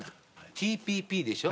ＴＰＰでしょ？